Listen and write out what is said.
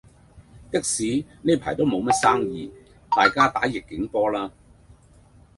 的士呢排都無乜生意，大家打逆境波啦